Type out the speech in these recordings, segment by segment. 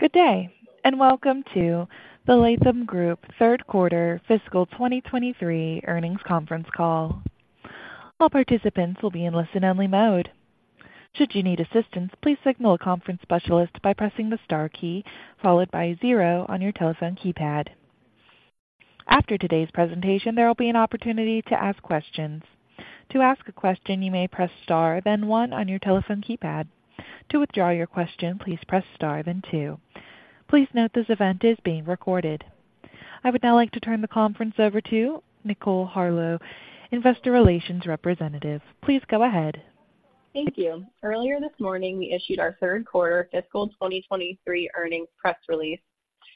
Good day, and welcome to the Latham Group third quarter fiscal 2023 earnings conference call. All participants will be in listen-only mode. Should you need assistance, please signal a conference specialist by pressing the star key followed by zero on your telephone keypad. After today's presentation, there will be an opportunity to ask questions. To ask a question, you may press star, then one on your telephone keypad. To withdraw your question, please press star, then two. Please note this event is being recorded. I would now like to turn the conference over to Nicole Harlow, Investor Relations Representative. Please go ahead. Thank you. Earlier this morning, we issued our third quarter fiscal 2023 earnings press release,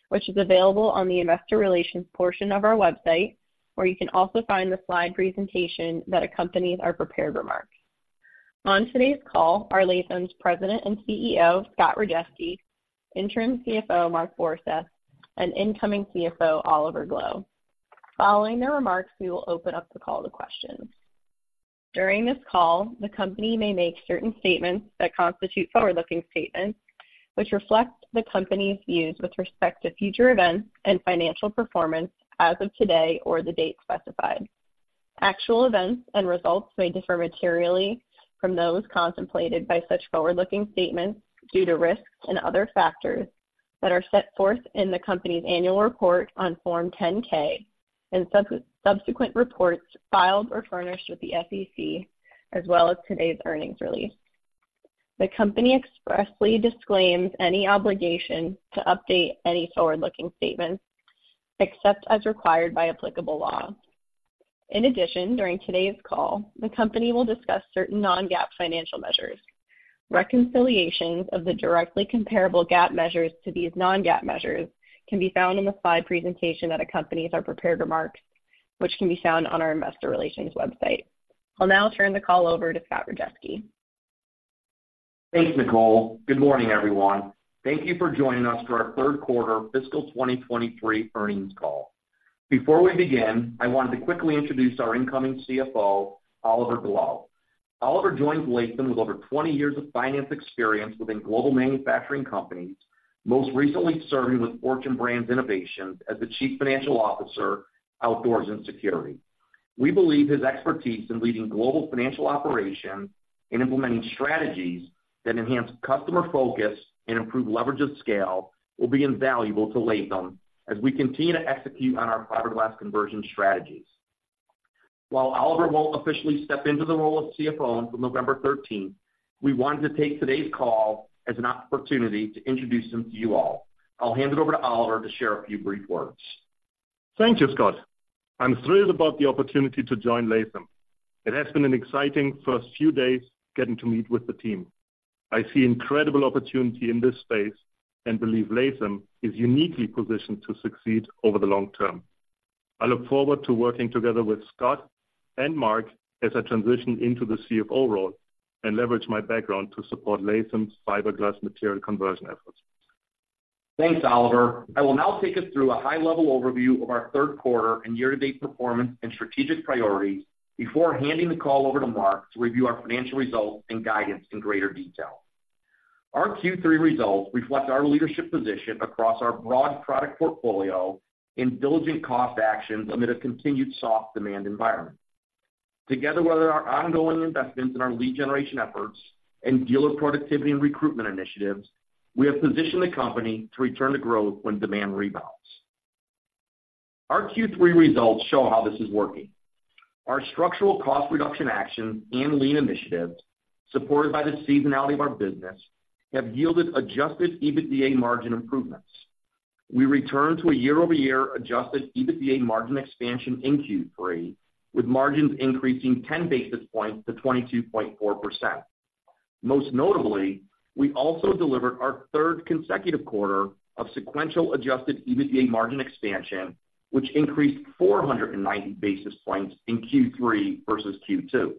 which is available on the investor relations portion of our website, where you can also find the slide presentation that accompanies our prepared remarks. On today's call, are Latham's President and CEO, Scott Rajeski, Interim CFO, Mark Borseth, and incoming CFO, Oliver Gloe. Following their remarks, we will open up the call to questions. During this call, the company may make certain statements that constitute forward-looking statements, which reflect the company's views with respect to future events and financial performance as of today or the date specified. Actual events and results may differ materially from those contemplated by such forward-looking statements due to risks and other factors that are set forth in the company's annual report on Form 10-K and subsequent reports filed or furnished with the SEC, as well as today's earnings release. The company expressly disclaims any obligation to update any forward-looking statements, except as required by applicable law. In addition, during today's call, the company will discuss certain non-GAAP financial measures. Reconciliations of the directly comparable GAAP measures to these non-GAAP measures can be found in the slide presentation that accompanies our prepared remarks, which can be found on our investor relations website. I'll now turn the call over to Scott Rajeski. Thanks, Nicole. Good morning, everyone. Thank you for joining us for our third quarter fiscal 2023 earnings call. Before we begin, I wanted to quickly introduce our incoming CFO, Oliver Gloe. Oliver joins Latham with over 20 years of finance experience within global manufacturing companies, most recently serving with Fortune Brands Innovations as the Chief Financial Officer, Outdoors and Security. We believe his expertise in leading global financial operations and implementing strategies that enhance customer focus and improve leverage of scale will be invaluable to Latham as we continue to execute on our fiberglass conversion strategies. While Oliver won't officially step into the role of CFO until November 13th, we wanted to take today's call as an opportunity to introduce him to you all. I'll hand it over to Oliver to share a few brief words. Thank you, Scott. I'm thrilled about the opportunity to join Latham. It has been an exciting first few days getting to meet with the team. I see incredible opportunity in this space and believe Latham is uniquely positioned to succeed over the long term. I look forward to working together with Scott and Mark as I transition into the CFO role and leverage my background to support Latham's fiberglass material conversion efforts. Thanks, Oliver. I will now take us through a high-level overview of our third quarter and year-to-date performance and strategic priorities before handing the call over to Mark to review our financial results and guidance in greater detail. Our Q3 results reflect our leadership position across our broad product portfolio and diligent cost actions amid a continued soft demand environment. Together with our ongoing investments in our lead generation efforts and dealer productivity and recruitment initiatives, we have positioned the company to return to growth when demand rebounds. Our Q3 results show how this is working. Our structural cost reduction actions and lean initiatives, supported by the seasonality of our business, have yielded Adjusted EBITDA margin improvements. We returned to a year-over-year Adjusted EBITDA margin expansion in Q3, with margins increasing 10 basis points to 22.4%. Most notably, we also delivered our third consecutive quarter of sequential Adjusted EBITDA margin expansion, which increased 490 basis points in Q3 versus Q2.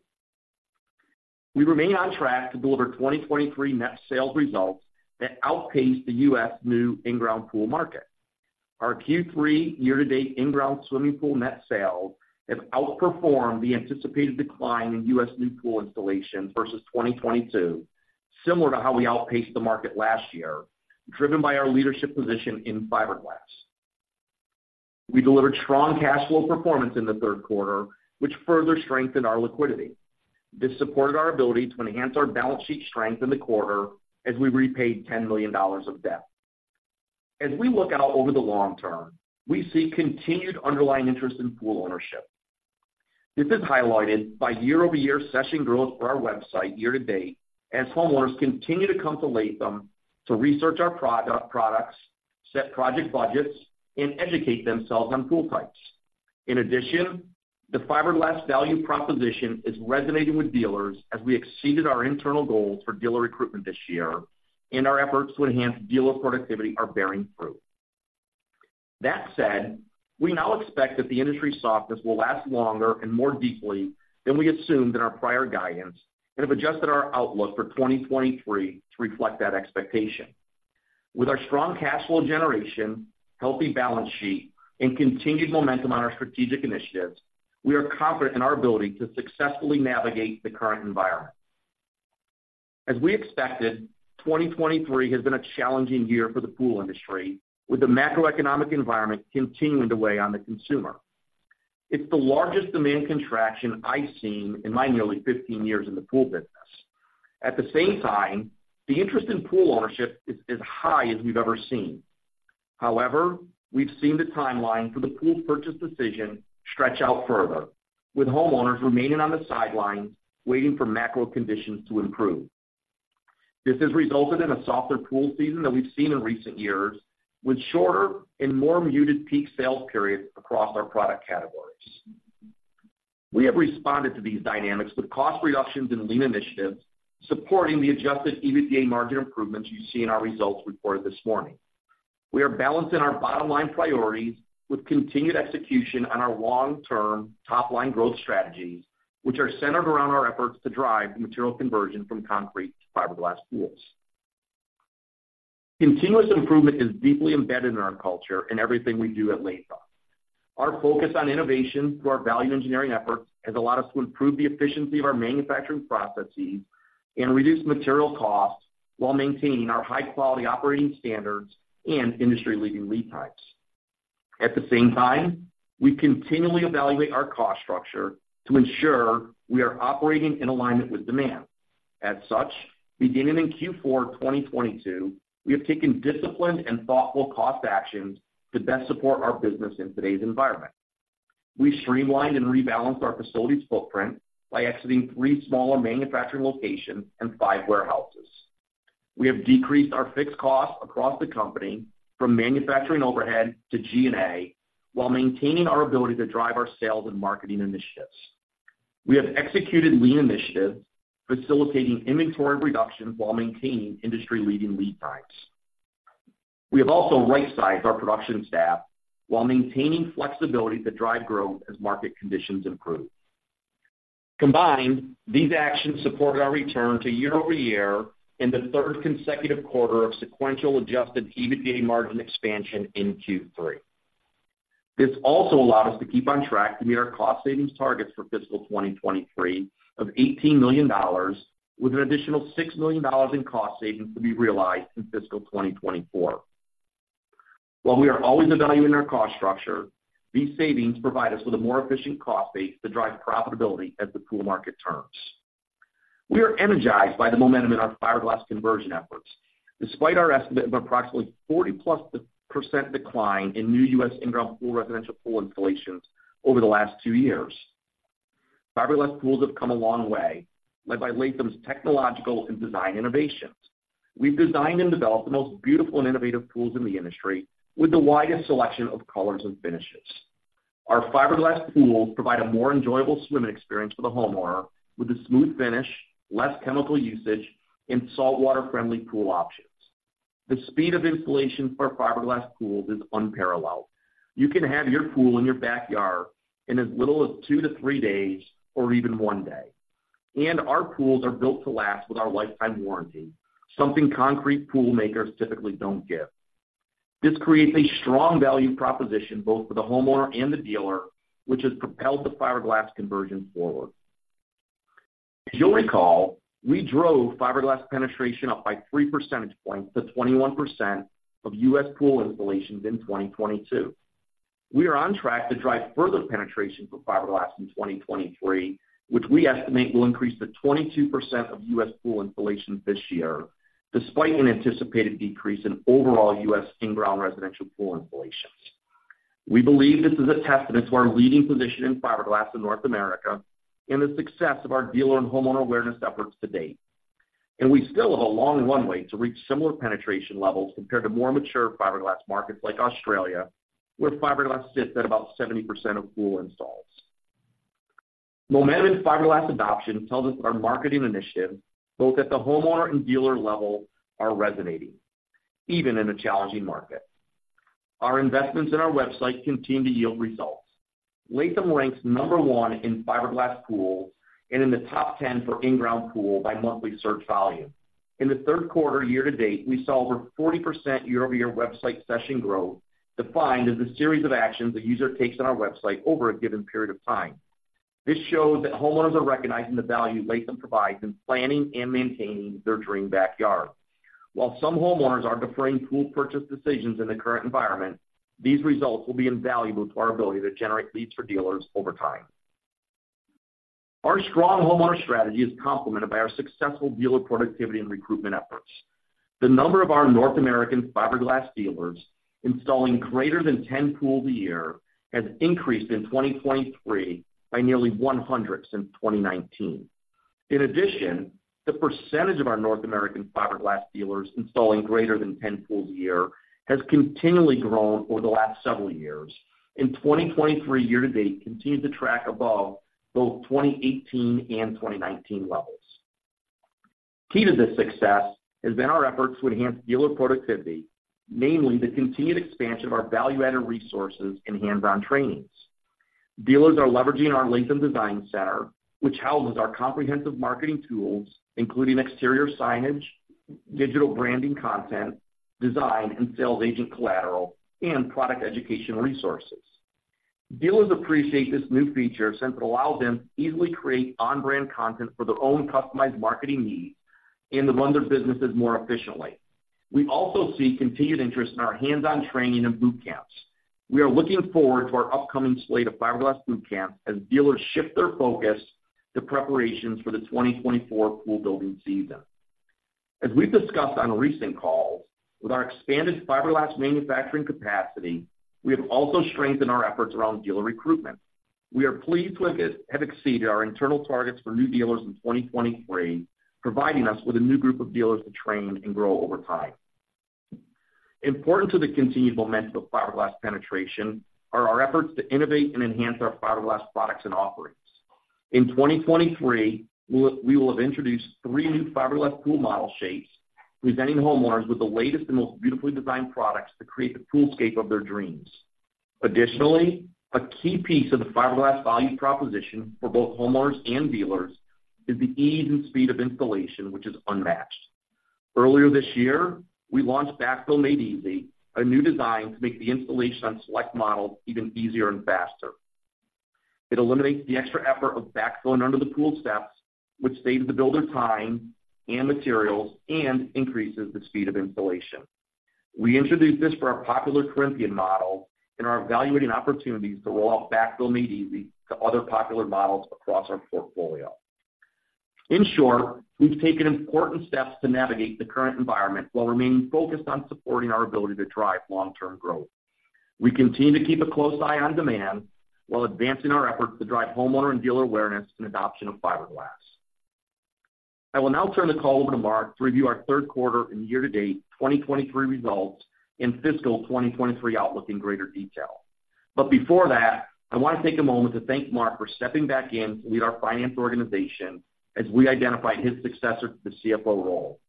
We remain on track to deliver 2023 net sales results that outpace the U.S. new in-ground pool market. Our Q3 year-to-date in-ground swimming pool net sales have outperformed the anticipated decline in U.S. new pool installations versus 2022, similar to how we outpaced the market last year, driven by our leadership position in fiberglass. We delivered strong cash flow performance in the third quarter, which further strengthened our liquidity. This supported our ability to enhance our balance sheet strength in the quarter as we repaid $10 million of debt. As we look out over the long term, we see continued underlying interest in pool ownership. This is highlighted by year-over-year session growth for our website year to date, as homeowners continue to come to Latham to research our products, set project budgets, and educate themselves on pool types. In addition, the fiberglass value proposition is resonating with dealers as we exceeded our internal goals for dealer recruitment this year, and our efforts to enhance dealer productivity are bearing fruit. That said, we now expect that the industry softness will last longer and more deeply than we assumed in our prior guidance and have adjusted our outlook for 2023 to reflect that expectation. With our strong cash flow generation, healthy balance sheet, and continued momentum on our strategic initiatives, we are confident in our ability to successfully navigate the current environment. As we expected, 2023 has been a challenging year for the pool industry, with the macroeconomic environment continuing to weigh on the consumer. It's the largest demand contraction I've seen in my nearly 15 years in the pool business. At the same time, the interest in pool ownership is as high as we've ever seen. However, we've seen the timeline for the pool purchase decision stretch out further, with homeowners remaining on the sidelines, waiting for macro conditions to improve. This has resulted in a softer pool season than we've seen in recent years, with shorter and more muted peak sales periods across our product categories. We have responded to these dynamics with cost reductions and lean initiatives, supporting the adjusted EBITDA margin improvements you see in our results reported this morning. We are balancing our bottom line priorities with continued execution on our long-term top-line growth strategies, which are centered around our efforts to drive material conversion from concrete to fiberglass pools. Continuous improvement is deeply embedded in our culture and everything we do at Latham. Our focus on innovation through our value engineering efforts has allowed us to improve the efficiency of our manufacturing processes and reduce material costs while maintaining our high-quality operating standards and industry-leading lead times. At the same time, we continually evaluate our cost structure to ensure we are operating in alignment with demand. As such, beginning in Q4 2022, we have taken disciplined and thoughtful cost actions to best support our business in today's environment. We streamlined and rebalanced our facilities footprint by exiting three smaller manufacturing locations and five warehouses. We have decreased our fixed costs across the company, from manufacturing overhead to G&A, while maintaining our ability to drive our sales and marketing initiatives. We have executed lean initiatives, facilitating inventory reductions while maintaining industry-leading lead times. We have also right-sized our production staff while maintaining flexibility to drive growth as market conditions improve. Combined, these actions supported our return to year-over-year in the third consecutive quarter of sequential Adjusted EBITDA margin expansion in Q3. This also allowed us to keep on track to meet our cost savings targets for fiscal 2023 of $18 million, with an additional $6 million in cost savings to be realized in fiscal 2024. While we are always evaluating our cost structure, these savings provide us with a more efficient cost base to drive profitability as the pool market turns. We are energized by the momentum in our fiberglass conversion efforts, despite our estimate of approximately 40+% decline in new U.S. in-ground residential pool installations over the last two years. Fiberglass pools have come a long way, led by Latham's technological and design innovations. We've designed and developed the most beautiful and innovative pools in the industry, with the widest selection of colors and finishes. Our fiberglass pools provide a more enjoyable swimming experience for the homeowner, with a smooth finish, less chemical usage, and saltwater-friendly pool options. The speed of installation for fiberglass pools is unparalleled. You can have your pool in your backyard in as little as two to three days or even one day, and our pools are built to last with our lifetime warranty, something concrete pool makers typically don't give. This creates a strong value proposition, both for the homeowner and the dealer, which has propelled the fiberglass conversion forward. As you'll recall, we drove fiberglass penetration up by three percentage points to 21% of U.S. pool installations in 2022. We are on track to drive further penetration for fiberglass in 2023, which we estimate will increase to 22% of U.S. pool installations this year, despite an anticipated decrease in overall U.S. in-ground residential pool installations. We believe this is a testament to our leading position in fiberglass in North America and the success of our dealer and homeowner awareness efforts to date. We still have a long runway to reach similar penetration levels compared to more mature fiberglass markets like Australia, where fiberglass sits at about 70% of pool installs. Momentum in fiberglass adoption tells us our marketing initiatives, both at the homeowner and dealer level, are resonating, even in a challenging market. Our investments in our website continue to yield results. Latham ranks number one in fiberglass pools and in the top 10 for in-ground pool by monthly search volume. In the third quarter year to date, we saw over 40% year-over-year website session growth, defined as a series of actions a user takes on our website over a given period of time. This shows that homeowners are recognizing the value Latham provides in planning and maintaining their dream backyard. While some homeowners are deferring pool purchase decisions in the current environment, these results will be invaluable to our ability to generate leads for dealers over time. Our strong homeowner strategy is complemented by our successful dealer productivity and recruitment efforts. The number of our North American fiberglass dealers installing greater than 10 pools a year has increased in 2023 by nearly 100 since 2019. In addition, the percentage of our North American fiberglass dealers installing greater than 10 pools a year has continually grown over the last several years, and 2023 year to date continues to track above both 2018 and 2019 levels. Key to this success has been our efforts to enhance dealer productivity, namely the continued expansion of our value-added resources and hands-on trainings. Dealers are leveraging our Latham Design Center, which houses our comprehensive marketing tools, including exterior signage, digital branding, content, design, and sales agent collateral, and product educational resources. Dealers appreciate this new feature since it allows them to easily create on-brand content for their own customized marketing needs and to run their businesses more efficiently. We also see continued interest in our hands-on training and boot camps. We are looking forward to our upcoming slate of fiberglass boot camps as dealers shift their focus to preparations for the 2024 pool building season. As we've discussed on recent calls, with our expanded fiberglass manufacturing capacity, we have also strengthened our efforts around dealer recruitment. We are pleased with it, have exceeded our internal targets for new dealers in 2023, providing us with a new group of dealers to train and grow over time. Important to the continued momentum of fiberglass penetration are our efforts to innovate and enhance our fiberglass products and offerings. In 2023, we will have introduced three new fiberglass pool model shapes, presenting homeowners with the latest and most beautifully designed products to create the poolscape of their dreams. Additionally, a key piece of the fiberglass value proposition for both homeowners and dealers is the ease and speed of installation, which is unmatched. Earlier this year, we launched Backfill Made Easy, a new design to make the installation on select models even easier and faster. It eliminates the extra effort of backfilling under the pool steps, which saves the builder time and materials and increases the speed of installation. We introduced this for our popular Corinthian model, and are evaluating opportunities to roll out Backfill Made Easy to other popular models across our portfolio. In short, we've taken important steps to navigate the current environment, while remaining focused on supporting our ability to drive long-term growth. We continue to keep a close eye on demand, while advancing our efforts to drive homeowner and dealer awareness and adoption of fiberglass. I will now turn the call over to Mark to review our third quarter and year-to-date 2023 results and fiscal 2023 outlook in greater detail. But before that, I want to take a moment to thank Mark for stepping back in to lead our finance organization as we identify his successor to the CFO role.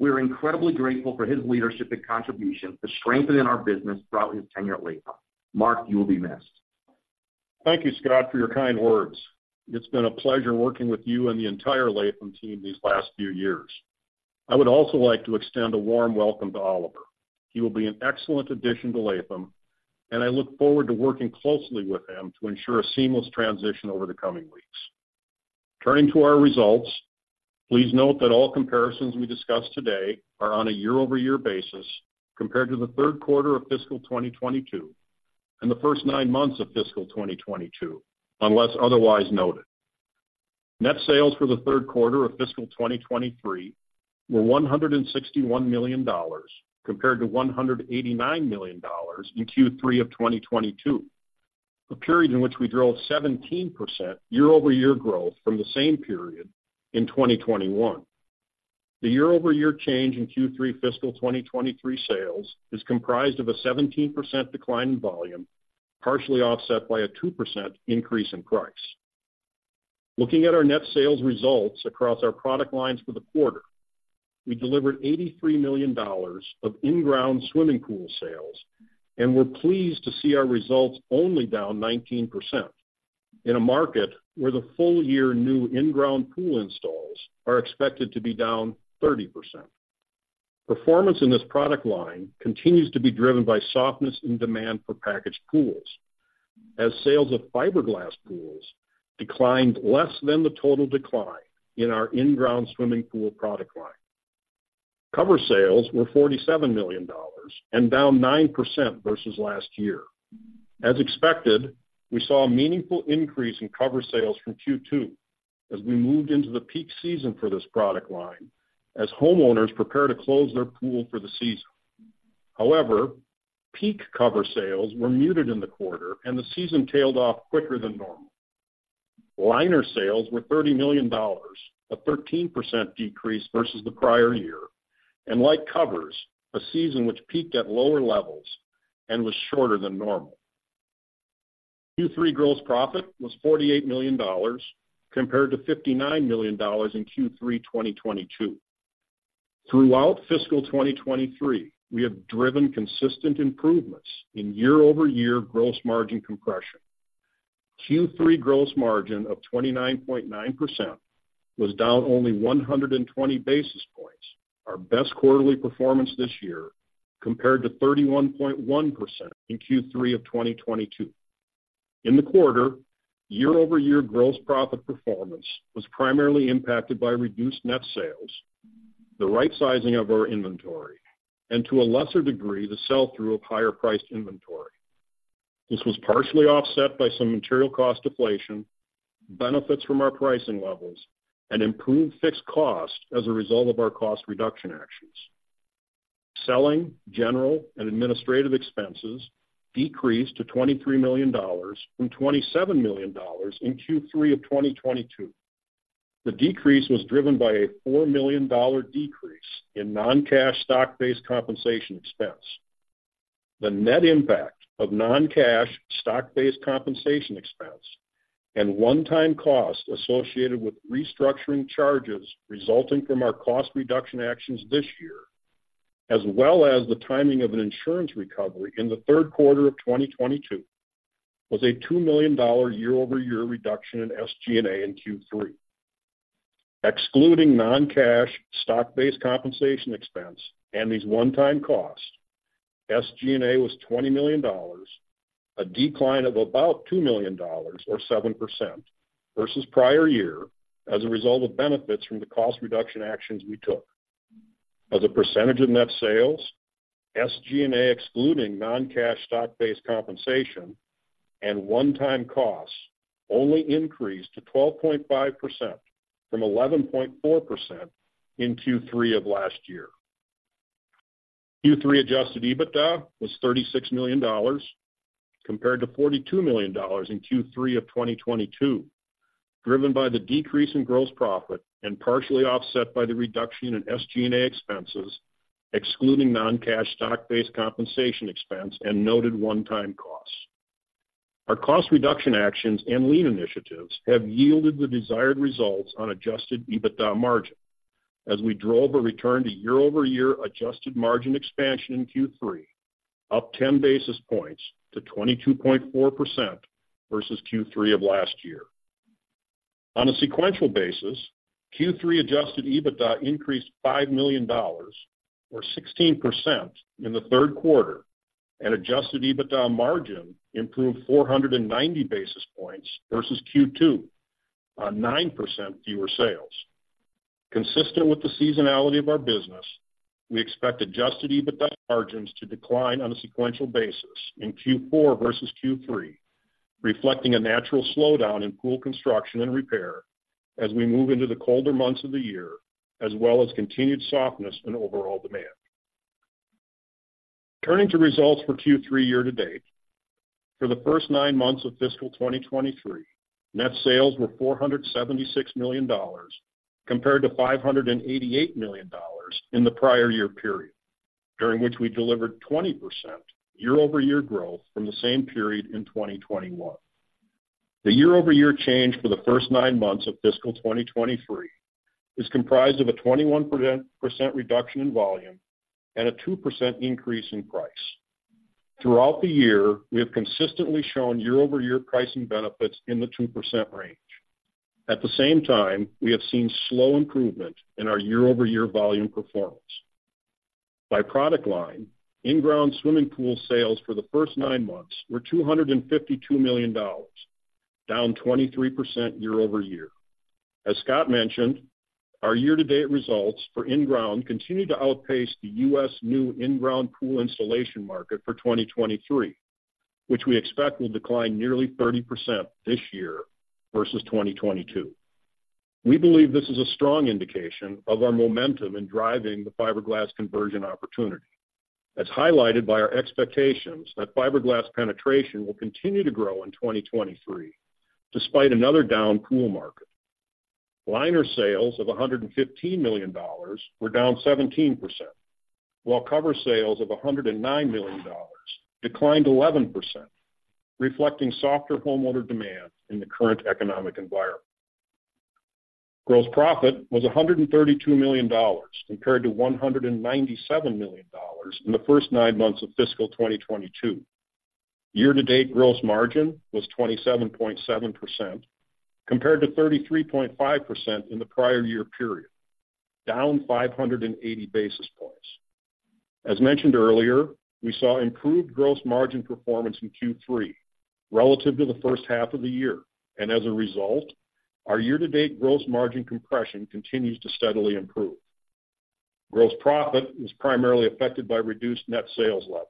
We're incredibly grateful for his leadership and contribution to strengthening our business throughout his tenure at Latham. Mark, you will be missed. Thank you, Scott, for your kind words. It's been a pleasure working with you and the entire Latham team these last few years. I would also like to extend a warm welcome to Oliver. He will be an excellent addition to Latham, and I look forward to working closely with him to ensure a seamless transition over the coming weeks. Turning to our results, please note that all comparisons we discuss today are on a year-over-year basis compared to the third quarter of fiscal 2022, and the first nine months of fiscal 2022, unless otherwise noted. Net sales for the third quarter of fiscal 2023 were $161 million, compared to $189 million in Q3 of 2022, a period in which we drove 17% year-over-year growth from the same period in 2021. The year-over-year change in Q3 fiscal 2023 sales is comprised of a 17% decline in volume, partially offset by a 2% increase in price. Looking at our net sales results across our product lines for the quarter, we delivered $83 million of in-ground swimming pool sales, and we're pleased to see our results only down 19% in a market where the full year new in-ground pool installs are expected to be down 30%. Performance in this product line continues to be driven by softness in demand for packaged pools, as sales of fiberglass pools declined less than the total decline in our in-ground swimming pool product line. Cover sales were $47 million and down 9% versus last year. As expected, we saw a meaningful increase in cover sales from Q2 as we moved into the peak season for this product line, as homeowners prepare to close their pool for the season. However, peak cover sales were muted in the quarter, and the season tailed off quicker than normal. Liner sales were $30 million, a 13% decrease versus the prior year, and like covers, a season which peaked at lower levels and was shorter than normal. Q3 gross profit was $48 million, compared to $59 million in Q3 2022. Throughout fiscal 2023, we have driven consistent improvements in year-over-year gross margin compression. Q3 gross margin of 29.9% was down only 120 basis points, our best quarterly performance this year, compared to 31.1% in Q3 of 2022. In the quarter, year-over-year gross profit performance was primarily impacted by reduced net sales, the right sizing of our inventory, and to a lesser degree, the sell-through of higher priced inventory. This was partially offset by some material cost deflation, benefits from our pricing levels, and improved fixed cost as a result of our cost reduction actions. Selling, general, and administrative expenses decreased to $23 million from $27 million in Q3 of 2022. The decrease was driven by a $4 million decrease in non-cash stock-based compensation expense. The net impact of non-cash stock-based compensation expense and one-time costs associated with restructuring charges resulting from our cost reduction actions this year, as well as the timing of an insurance recovery in the third quarter of 2022, was a $2 million year-over-year reduction in SG&A in Q3. excluding non-cash stock-based compensation expense and these one-time costs, SG&A was $20 million, a decline of about $2 million or 7% versus prior year, as a result of benefits from the cost reduction actions we took. As a percentage of net sales, SG&A, excluding non-cash stock-based compensation and one-time costs, only increased to 12.5% from 11.4% in Q3 of last year. Q3 adjusted EBITDA was $36 million, compared to $42 million in Q3 of 2022, driven by the decrease in gross profit and partially offset by the reduction in SG&A expenses, excluding non-cash stock-based compensation expense and noted one-time costs. Our cost reduction actions and lean initiatives have yielded the desired results on Adjusted EBITDA margin, as we drove a return to year-over-year adjusted margin expansion in Q3, up 10 basis points to 22.4% versus Q3 of last year. On a sequential basis, Q3 Adjusted EBITDA increased $5 million, or 16% in the third quarter, and Adjusted EBITDA margin improved 490 basis points versus Q2 on 9% fewer sales. Consistent with the seasonality of our business, we expect Adjusted EBITDA margins to decline on a sequential basis in Q4 versus Q3, reflecting a natural slowdown in pool construction and repair as we move into the colder months of the year, as well as continued softness in overall demand. Turning to results for Q3 year-to-date. For the first nine months of fiscal 2023, net sales were $476 million, compared to $588 million in the prior year period, during which we delivered 20% year-over-year growth from the same period in 2021. The year-over-year change for the first nine months of fiscal 2023 is comprised of a 21% reduction in volume and a 2% increase in price. Throughout the year, we have consistently shown year-over-year pricing benefits in the 2% range. At the same time, we have seen slow improvement in our year-over-year volume performance. By product line, in-ground swimming pool sales for the first nine months were $252 million, down 23% year-over-year. As Scott mentioned, our year-to-date results for in-ground continued to outpace the US new in-ground pool installation market for 2023, which we expect will decline nearly 30% this year versus 2022. We believe this is a strong indication of our momentum in driving the fiberglass conversion opportunity, as highlighted by our expectations that fiberglass penetration will continue to grow in 2023, despite another down pool market. Liner sales of $115 million were down 17%, while cover sales of $109 million declined 11%, reflecting softer homeowner demand in the current economic environment. Gross profit was $132 million, compared to $197 million in the first nine months of fiscal 2022. Year-to-date gross margin was 27.7%, compared to 33.5% in the prior year period, down 580 basis points. As mentioned earlier, we saw improved gross margin performance in Q3 relative to the first half of the year, and as a result, our year-to-date gross margin compression continues to steadily improve. Gross profit was primarily affected by reduced net sales levels.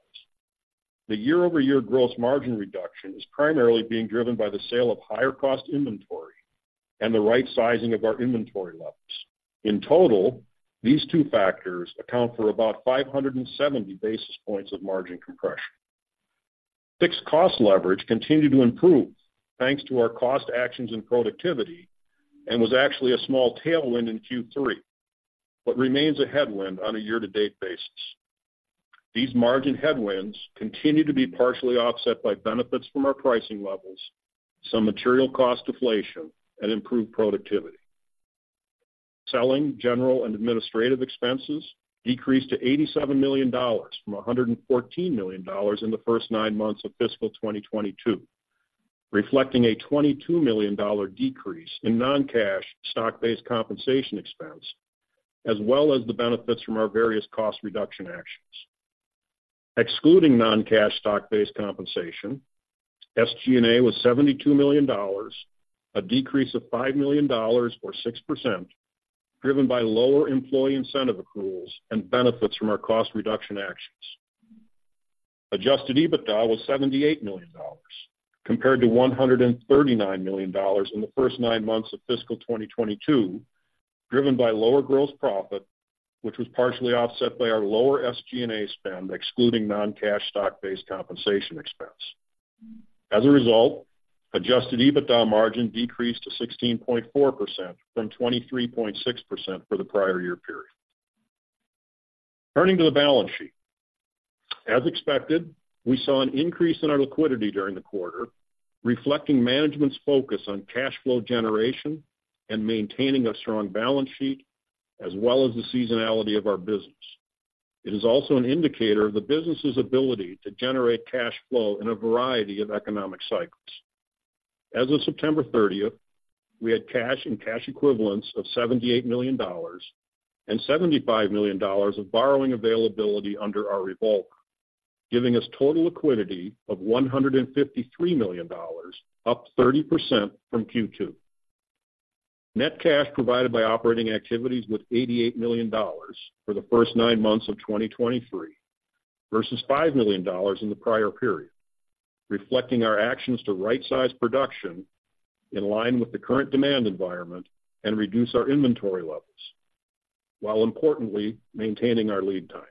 The year-over-year gross margin reduction is primarily being driven by the sale of higher cost inventory and the right sizing of our inventory levels. In total, these two factors account for about 570 basis points of margin compression. Fixed cost leverage continued to improve, thanks to our cost actions and productivity, and was actually a small tailwind in Q3, but remains a headwind on a year-to-date basis. These margin headwinds continue to be partially offset by benefits from our pricing levels, some material cost deflation, and improved productivity. Selling, general, and administrative expenses decreased to $87 million from $114 million in the first nine months of fiscal 2022, reflecting a $22 million decrease in non-cash stock-based compensation expense, as well as the benefits from our various cost reduction actions. Excluding non-cash stock-based compensation, SG&A was $72 million, a decrease of $5 million or 6%, driven by lower employee incentive accruals and benefits from our cost reduction actions. Adjusted EBITDA was $78 million, compared to $139 million in the first nine months of fiscal 2022, driven by lower gross profit, which was partially offset by our lower SG&A spend, excluding non-cash stock-based compensation expense. As a result, Adjusted EBITDA margin decreased to 16.4% from 23.6% for the prior year period. Turning to the balance sheet. As expected, we saw an increase in our liquidity during the quarter, reflecting management's focus on cash flow generation and maintaining a strong balance sheet, as well as the seasonality of our business. It is also an indicator of the business's ability to generate cash flow in a variety of economic cycles. As of September 30th, we had cash and cash equivalents of $78 million and $75 million of borrowing availability under our revolver, giving us total liquidity of $153 million, up 30% from Q2. Net cash provided by operating activities was $88 million for the first nine months of 2023, versus $5 million in the prior period, reflecting our actions to right-size production in line with the current demand environment and reduce our inventory levels, while importantly, maintaining our lead times.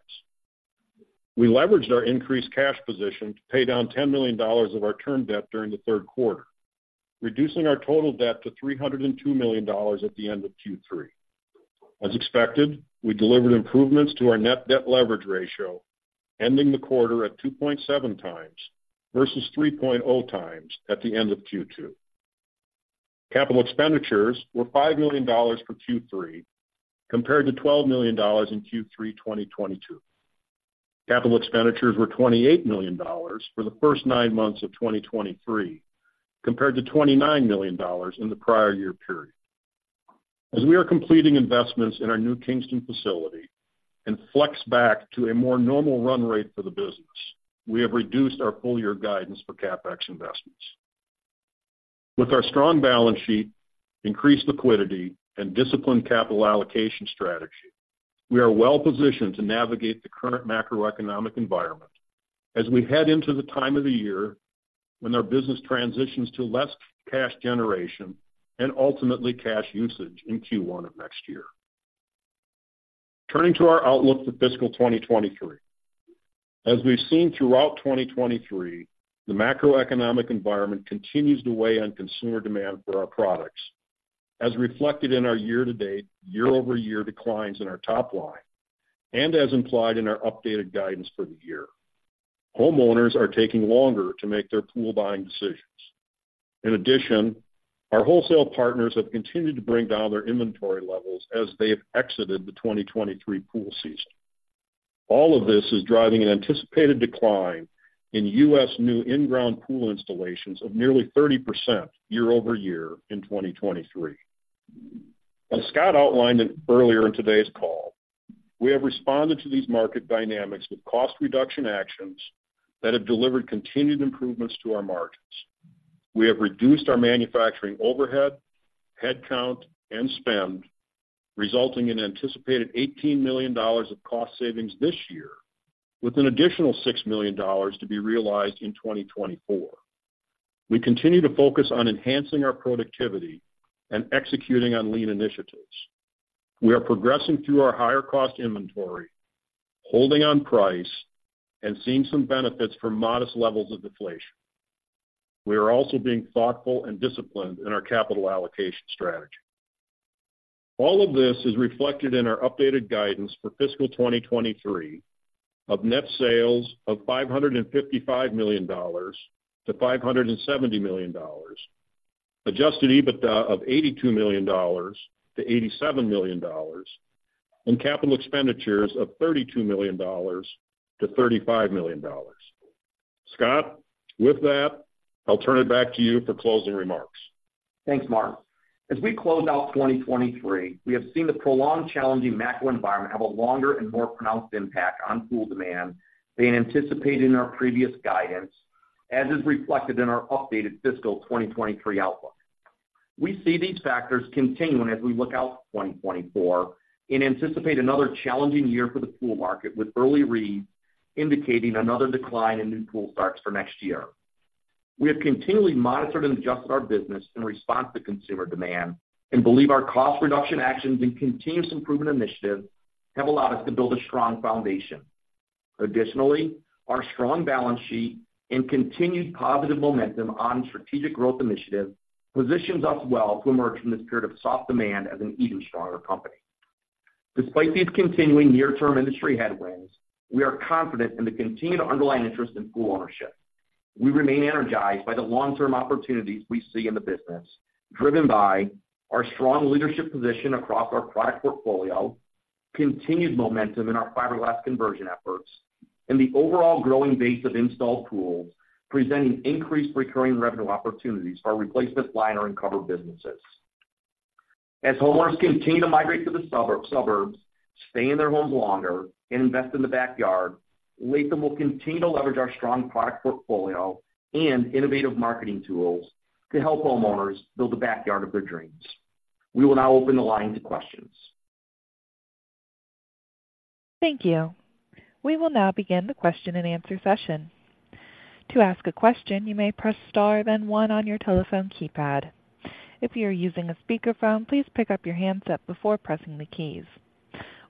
We leveraged our increased cash position to pay down $10 million of our term debt during the third quarter, reducing our total debt to $302 million at the end of Q3. As expected, we delivered improvements to our net debt leverage ratio, ending the quarter at 2.7x versus 3x at the end of Q2. Capital expenditures were $5 million for Q3, compared to $12 million in Q3 2022. Capital expenditures were $28 million for the first nine months of 2023, compared to $29 million in the prior year period. As we are completing investments in our new Kingston facility and flex back to a more normal run rate for the business, we have reduced our full year guidance for CapEx investments. With our strong balance sheet, increased liquidity, and disciplined capital allocation strategy, we are well positioned to navigate the current macroeconomic environment as we head into the time of the year when our business transitions to less cash generation and ultimately cash usage in Q1 of next year. Turning to our outlook for fiscal 2023. As we've seen throughout 2023, the macroeconomic environment continues to weigh on consumer demand for our products, as reflected in our year-to-date, year-over-year declines in our top line, and as implied in our updated guidance for the year. Homeowners are taking longer to make their pool buying decisions. In addition, our wholesale partners have continued to bring down their inventory levels as they have exited the 2023 pool season. All of this is driving an anticipated decline in U.S. new in-ground pool installations of nearly 30% year-over-year in 2023. As Scott outlined it earlier in today's call, we have responded to these market dynamics with cost reduction actions that have delivered continued improvements to our margins. We have reduced our manufacturing overhead, headcount, and spend, resulting in anticipated $18 million of cost savings this year, with an additional $6 million to be realized in 2024. We continue to focus on enhancing our productivity and executing on lean initiatives. We are progressing through our higher cost inventory, holding on price, and seeing some benefits from modest levels of deflation. We are also being thoughtful and disciplined in our capital allocation strategy. All of this is reflected in our updated guidance for fiscal 2023 of net sales of $555 million-$570 million, Adjusted EBITDA of $82 million-$87 million, and capital expenditures of $32 million-$35 million. Scott, with that, I'll turn it back to you for closing remarks. Thanks, Mark. As we close out 2023, we have seen the prolonged challenging macro environment have a longer and more pronounced impact on pool demand than anticipated in our previous guidance, as is reflected in our updated fiscal 2023 outlook. We see these factors continuing as we look out to 2024 and anticipate another challenging year for the pool market, with early reads indicating another decline in new pool starts for next year. We have continually monitored and adjusted our business in response to consumer demand and believe our cost reduction actions and continuous improvement initiatives have allowed us to build a strong foundation. Additionally, our strong balance sheet and continued positive momentum on strategic growth initiatives positions us well to emerge from this period of soft demand as an even stronger company. Despite these continuing near-term industry headwinds, we are confident in the continued underlying interest in pool ownership. We remain energized by the long-term opportunities we see in the business, driven by our strong leadership position across our product portfolio, continued momentum in our fiberglass conversion efforts, and the overall growing base of installed pools, presenting increased recurring revenue opportunities for our replacement liner and cover businesses. As homeowners continue to migrate to the suburbs, stay in their homes longer, and invest in the backyard, Latham will continue to leverage our strong product portfolio and innovative marketing tools to help homeowners build the backyard of their dreams. We will now open the line to questions. Thank you. We will now begin the question-and-answer session. To ask a question, you may press star, then one on your telephone keypad. If you are using a speakerphone, please pick up your handset before pressing the keys.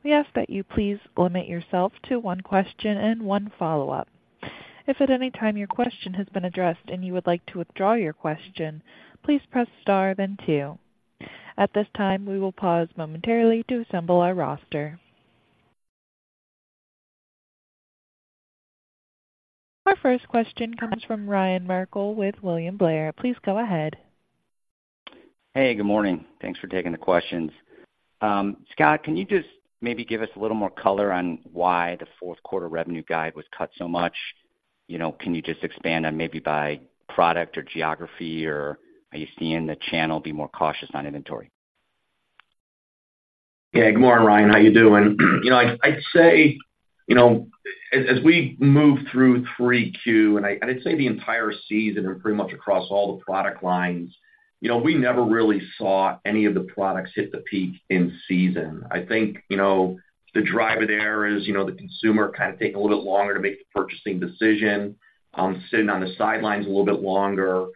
We ask that you please limit yourself to one question and one follow-up. If at any time your question has been addressed and you would like to withdraw your question, please press star then two. At this time, we will pause momentarily to assemble our roster. Our first question comes from Ryan Merkel with William Blair. Please go ahead. Hey, good morning. Thanks for taking the questions. Scott, can you just maybe give us a little more color on why the fourth quarter revenue guide was cut so much? You know, can you just expand on maybe by product or geography, or are you seeing the channel be more cautious on inventory? Yeah, good morning, Ryan. How you doing? You know, I'd say, you know, as we move through Q3, and I'd say the entire season, pretty much across all the product lines, you know, we never really saw any of the products hit the peak in season. I think, you know, the driver there is, you know, the consumer kind of taking a little bit longer to make the purchasing decision, sitting on the sidelines a little bit longer,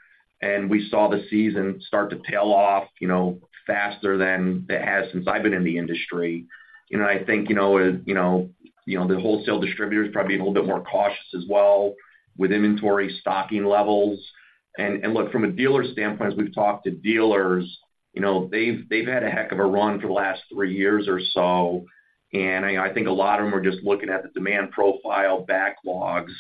and we saw the season start to tail off, you know, faster than it has since I've been in the industry. You know, I think, you know, the wholesale distributors probably a little bit more cautious as well with inventory stocking levels. Look, from a dealer standpoint, as we've talked to dealers, you know, they've had a heck of a run for the last three years or so, and I think a lot of them are just looking at the demand profile backlogs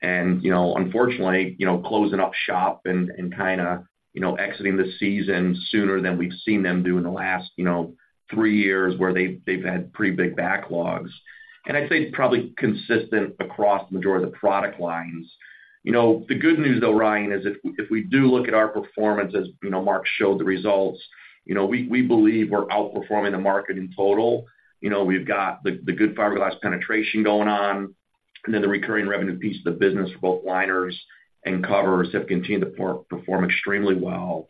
and, you know, unfortunately, you know, closing up shop and kind of, you know, exiting the season sooner than we've seen them do in the last, you know, three years, where they've had pretty big backlogs. I'd say probably consistent across the majority of the product lines. You know, the good news, though, Ryan, is if we do look at our performance as, you know, Mark showed the results, you know, we believe we're outperforming the market in total. You know, we've got the good fiberglass penetration going on, and then the recurring revenue piece of the business for both liners and covers have continued to perform extremely well.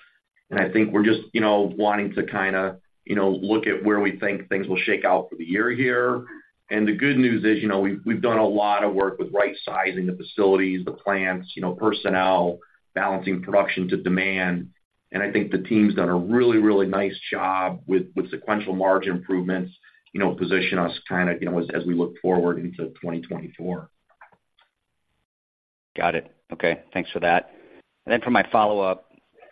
And I think we're just, you know, wanting to kind of, you know, look at where we think things will shake out for the year here. And the good news is, you know, we've done a lot of work with right-sizing the facilities, the plants, you know, personnel, balancing production to demand, and I think the team's done a really, really nice job with sequential margin improvements, you know, position us kind of, you know, as, as we look forward into 2024. Got it. Okay. Thanks for that. And then for my follow-up,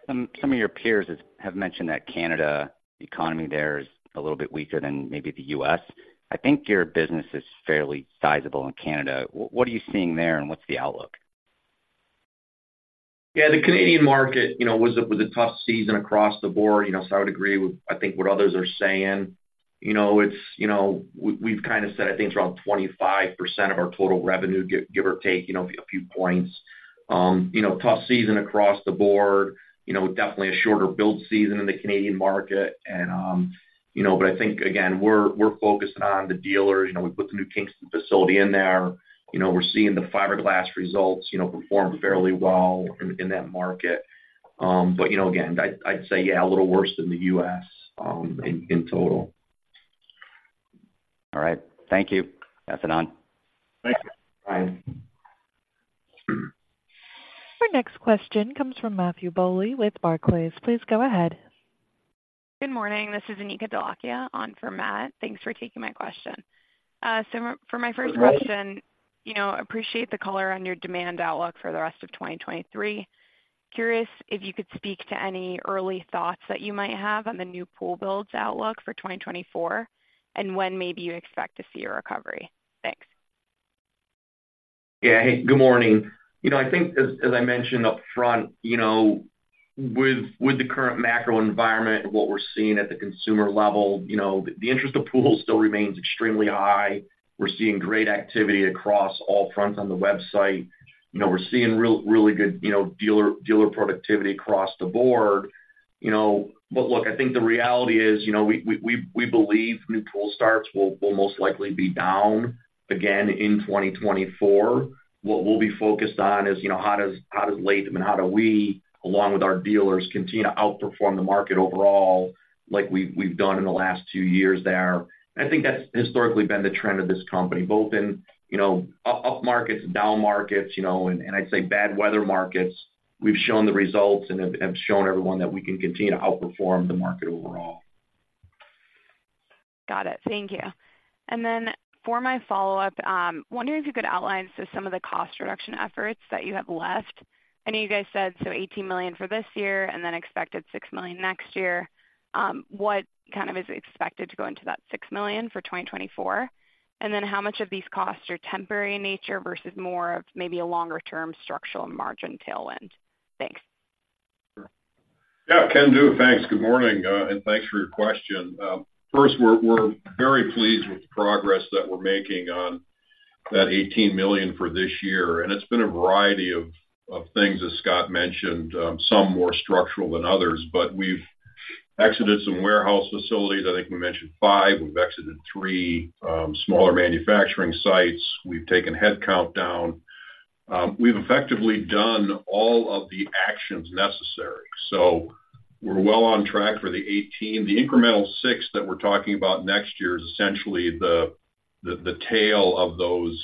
some of your peers have mentioned that the Canadian economy there is a little bit weaker than maybe the U.S. I think your business is fairly sizable in Canada. What are you seeing there, and what's the outlook? Yeah, the Canadian market, you know, was a tough season across the board, you know, so I would agree with, I think, what others are saying. You know, it's, you know, we've kind of said, I think, around 25% of our total revenue, give or take, you know, a few points. You know, tough season across the board, you know, definitely a shorter build season in the Canadian market. And, you know, but I think, again, we're focused on the dealers. You know, we put the new Kingston facility in there. You know, we're seeing the fiberglass results, you know, perform fairly well in that market. But you know, again, I'd say, yeah, a little worse than the U.S., in total. All right. Thank you. Passing on. Thanks, Ryan. Our next question comes from Matthew Bouley with Barclays. Please go ahead. Good morning. This is Anika Dholakia on for Matt. Thanks for taking my question. So for my first question, you know, appreciate the color on your demand outlook for the rest of 2023. Curious if you could speak to any early thoughts that you might have on the new pool builds outlook for 2024, and when maybe you expect to see a recovery. Thanks. Yeah. Hey, good morning. You know, I think as I mentioned upfront, you know, with the current macro environment and what we're seeing at the consumer level, you know, the interest in pools still remains extremely high. We're seeing great activity across all fronts on the website. You know, we're seeing really good, you know, dealer productivity across the board, you know. But look, I think the reality is, you know, we believe new pool starts will most likely be down again in 2024. What we'll be focused on is, you know, how does Latham and how do we, along with our dealers, continue to outperform the market overall, like we've done in the last two years there? I think that's historically been the trend of this company, both in, you know, up markets, down markets, you know, and I'd say bad weather markets. We've shown the results and have shown everyone that we can continue to outperform the market overall. Got it. Thank you. And then for my follow-up, wondering if you could outline, so some of the cost reduction efforts that you have left. I know you guys said, so $18 million for this year and then expected $6 million next year. What kind of is expected to go into that $6 million for 2024? And then how much of these costs are temporary in nature versus more of maybe a longer-term structural margin tailwind? Thanks. Yeah, can do. Thanks. Good morning, and thanks for your question. First, we're very pleased with the progress that we're making on that $18 million for this year, and it's been a variety of things, as Scott mentioned, some more structural than others. But we've exited some warehouse facilities. I think we mentioned five. We've exited three smaller manufacturing sites. We've taken headcount down. We've effectively done all of the actions necessary, so we're well on track for the $18 million. The incremental $6 million that we're talking about next year is essentially the tail of those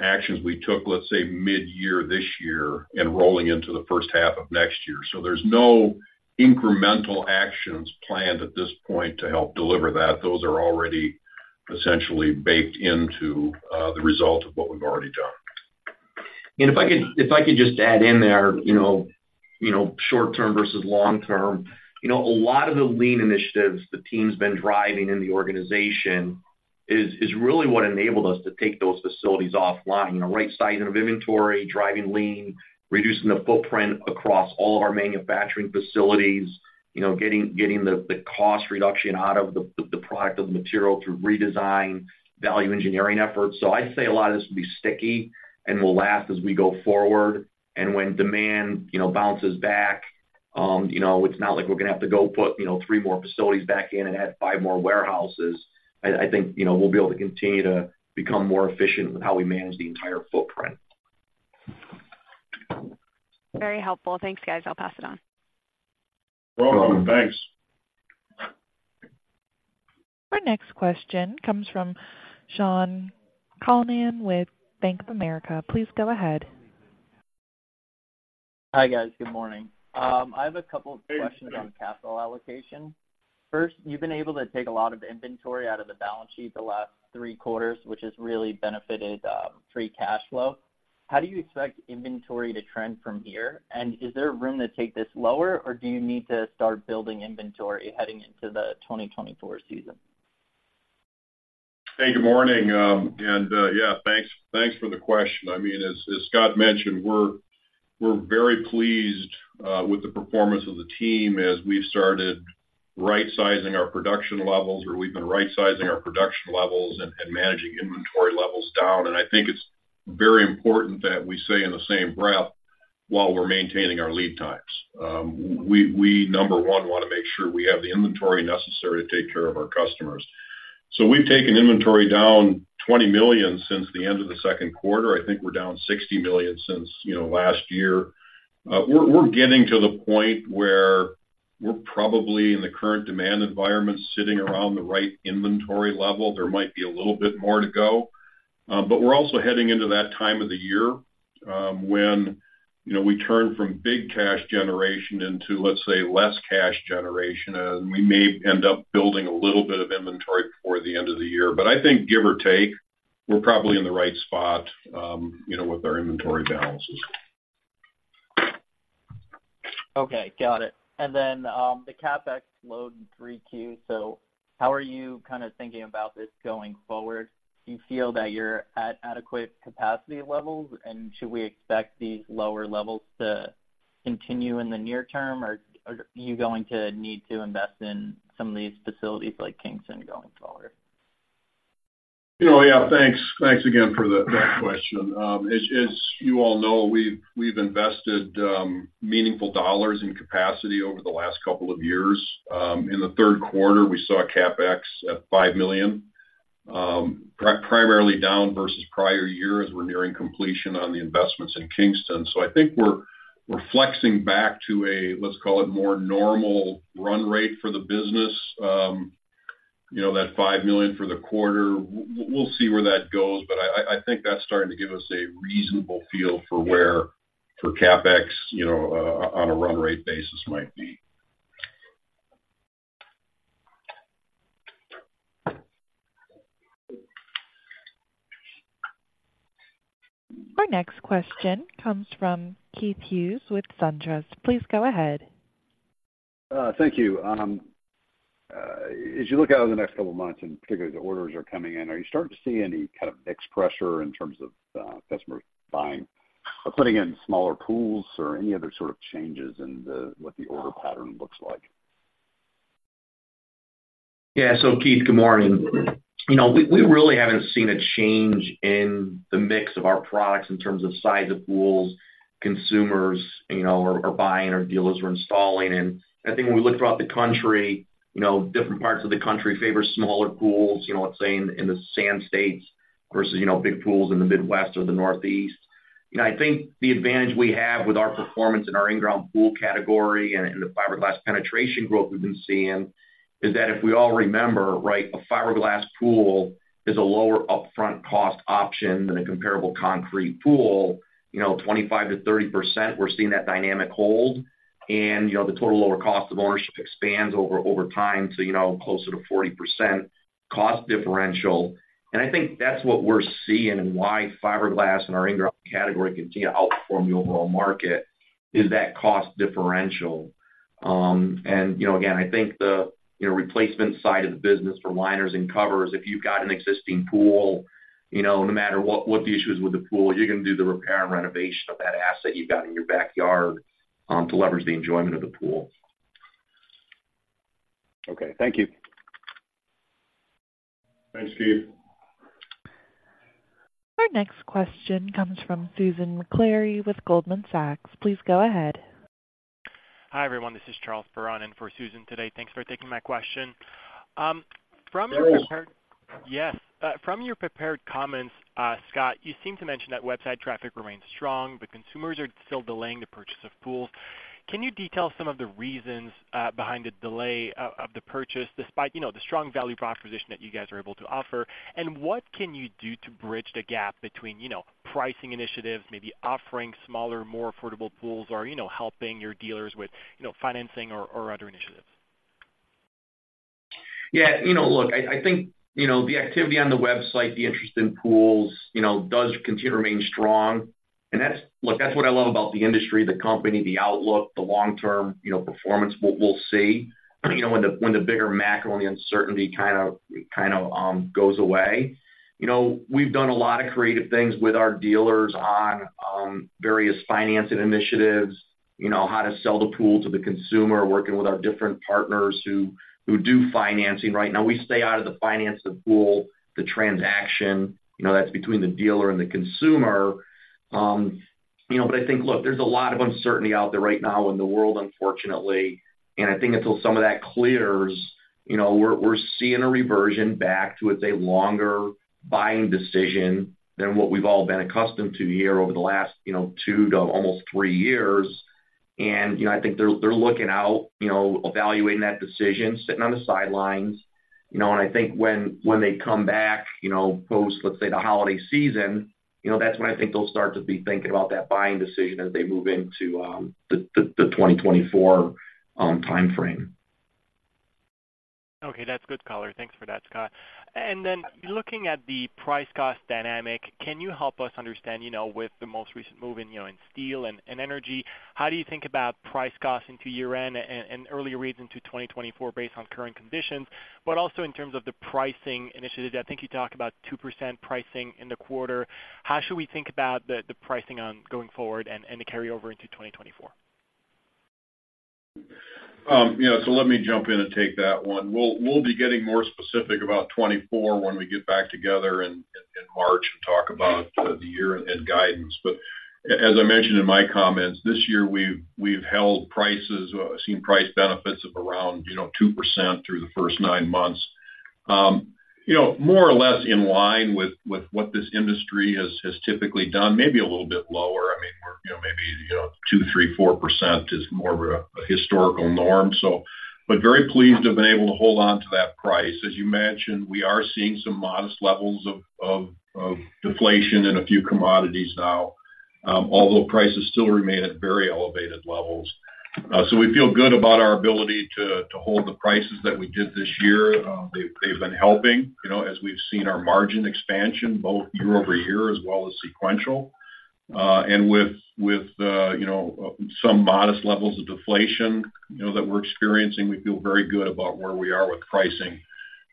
actions we took, let's say, midyear this year and rolling into the first half of next year. So there's no incremental actions planned at this point to help deliver that. Those are already essentially baked into the result of what we've already done. And if I could just add in there, you know, short term versus long term. You know, a lot of the lean initiatives the team's been driving in the organization is really what enabled us to take those facilities offline. The right size of inventory, driving lean, reducing the footprint across all of our manufacturing facilities, you know, getting the cost reduction out of the product material through redesign, value engineering efforts. So I'd say a lot of this will be sticky and will last as we go forward. And when demand, you know, bounces back, you know, it's not like we're gonna have to go put, you know, three more facilities back in and add five more warehouses. I think, you know, we'll be able to continue to become more efficient with how we manage the entire footprint. Very helpful. Thanks, guys. I'll pass it on. You're welcome. Thanks. Our next question comes from Shaun Calnan with Bank of America. Please go ahead. Hi, guys. Good morning. I have a couple of questions- Hey, good morning. -on capital allocation. First, you've been able to take a lot of inventory out of the balance sheet the last three quarters, which has really benefited free cash flow. How do you expect inventory to trend from here? And is there room to take this lower, or do you need to start building inventory heading into the 2024 season? Hey, good morning. And yeah, thanks, thanks for the question. I mean, as Scott mentioned, we're very pleased with the performance of the team as we've started rightsizing our production levels, or we've been rightsizing our production levels and managing inventory levels down. And I think it's very important that we say in the same breath, while we're maintaining our lead times. We, number one, wanna make sure we have the inventory necessary to take care of our customers. So we've taken inventory down $20 million since the end of the second quarter. I think we're down $60 million since, you know, last year. We're getting to the point where we're probably, in the current demand environment, sitting around the right inventory level. There might be a little bit more to go, but we're also heading into that time of the year, when, you know, we turn from big cash generation into, let's say, less cash generation, and we may end up building a little bit of inventory before the end of the year. But I think, give or take, we're probably in the right spot, you know, with our inventory balances. Okay, got it. And then, the CapEx load 3Q. So how are you kind of thinking about this going forward? Do you feel that you're at adequate capacity levels, and should we expect these lower levels to continue in the near term, or are you going to need to invest in some of these facilities like Kingston going forward? You know, yeah, thanks. Thanks again for that question. As you all know, we've invested meaningful dollars in capacity over the last couple of years. In the third quarter, we saw CapEx at $5 million, primarily down versus prior years. We're nearing completion on the investments in Kingston. So I think we're flexing back to a, let's call it, more normal run rate for the business. You know, that $5 million for the quarter, we'll see where that goes, but I think that's starting to give us a reasonable feel for where CapEx on a run rate basis might be. Our next question comes from Keith Hughes with SunTrust. Please go ahead. Thank you. As you look out over the next couple of months, and particularly the orders are coming in, are you starting to see any kind of mix pressure in terms of, customers buying or putting in smaller pools or any other sort of changes in the, what the order pattern looks like? Yeah. So, Keith, good morning. You know, we, we really haven't seen a change in the mix of our products in terms of size of pools, consumers, you know, are, are buying or dealers are installing. And I think when we look throughout the country, you know, different parts of the country favor smaller pools, you know, let's say in the sand states, versus, you know, big pools in the Midwest or the Northeast. You know, I think the advantage we have with our performance in our in-ground pool category and in the fiberglass penetration growth we've been seeing, is that if we all remember, right, a fiberglass pool is a lower upfront cost option than a comparable concrete pool. You know, 25%-30%, we're seeing that dynamic hold, and, you know, the total lower cost of ownership expands over time, so, you know, closer to 40% cost differential. And I think that's what we're seeing and why fiberglass in our in-ground category continue to outperform the overall market, is that cost differential. And, you know, again, I think the, you know, replacement side of the business for liners and covers, if you've got an existing pool, you know, no matter what the issues with the pool, you're gonna do the repair and renovation of that asset you've got in your backyard, to leverage the enjoyment of the pool. Okay, thank you. Thanks, Keith. Our next question comes from Susan Maklari with Goldman Sachs. Please go ahead. Hi, everyone. This is Charles Perron in for Susan today. Thanks for taking my question. From your prepared- Yes. Yes, from your prepared comments, Scott, you seem to mention that website traffic remains strong, but consumers are still delaying the purchase of pools. Can you detail some of the reasons behind the delay of the purchase, despite, you know, the strong value proposition that you guys are able to offer? And what can you do to bridge the gap between, you know, pricing initiatives, maybe offering smaller, more affordable pools, or, you know, helping your dealers with, you know, financing or other initiatives? Yeah, you know, look, I think, you know, the activity on the website, the interest in pools, you know, does continue to remain strong. And that's—Look, that's what I love about the industry, the company, the outlook, the long-term, you know, performance, what we'll see, you know, when the bigger macro and the uncertainty kind of goes away. You know, we've done a lot of creative things with our dealers on various financing initiatives, you know, how to sell the pool to the consumer, working with our different partners who do financing right now. We stay out of the finance the pool, the transaction, you know, that's between the dealer and the consumer. You know, but I think, look, there's a lot of uncertainty out there right now in the world, unfortunately, and I think until some of that clears, you know, we're seeing a reversion back to, let's say, a longer buying decision than what we've all been accustomed to here over the last, you know, two to almost three years. And, you know, I think they're looking out, you know, evaluating that decision, sitting on the sidelines, you know. And I think when they come back, you know, post, let's say, the holiday season, you know, that's when I think they'll start to be thinking about that buying decision as they move into the 2024 timeframe. Okay, that's good color. Thanks for that, Scott. And then looking at the price-cost dynamic, can you help us understand, you know, with the most recent move in, you know, in steel and energy, how do you think about price-cost into year-end and earlier reads into 2024 based on current conditions? But also in terms of the pricing initiatives, I think you talked about 2% pricing in the quarter. How should we think about the pricing going forward and the carryover into 2024? Yeah, so let me jump in and take that one. We'll be getting more specific about 2024 when we get back together in March and talk about the year and guidance. But as I mentioned in my comments, this year, we've held prices, seen price benefits of around, you know, 2% through the first nine months. You know, more or less in line with what this industry has typically done, maybe a little bit lower. I mean, we're, you know, maybe, you know, 2%, 3%, 4% is more of a historical norm, so. But very pleased to have been able to hold on to that price. As you mentioned, we are seeing some modest levels of deflation in a few commodities now, although prices still remain at very elevated levels. So we feel good about our ability to hold the prices that we did this year. They've been helping, you know, as we've seen our margin expansion both year-over-year as well as sequential. And with some modest levels of deflation, you know, that we're experiencing, we feel very good about where we are with pricing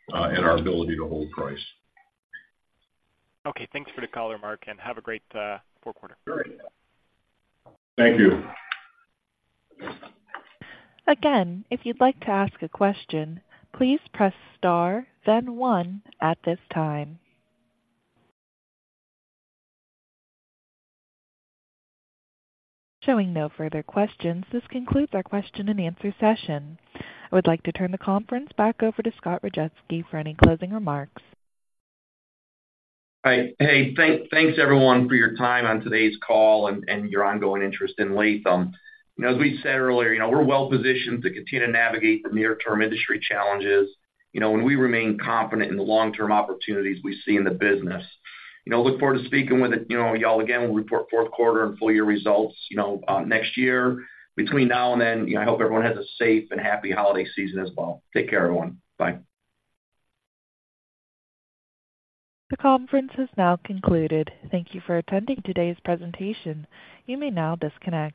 and our ability to hold price. Okay, thanks for the color, Mark, and have a great fourth quarter. Great. Thank you. Again, if you'd like to ask a question, please press star then one at this time. Showing no further questions, this concludes our question and answer session. I would like to turn the conference back over to Scott Rajeski for any closing remarks. Right. Hey, thanks, everyone, for your time on today's call and your ongoing interest in Latham. You know, as we said earlier, you know, we're well positioned to continue to navigate the near-term industry challenges, you know, and we remain confident in the long-term opportunities we see in the business. You know, look forward to speaking with, you know, y'all again, we'll report fourth quarter and full year results, you know, next year. Between now and then, you know, I hope everyone has a safe and happy holiday season as well. Take care, everyone. Bye. The conference has now concluded. Thank you for attending today's presentation. You may now disconnect.